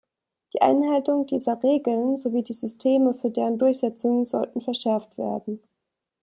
Die Einhaltung dieser Regeln sowie die Systeme für deren Durchsetzung sollten verschärft werden.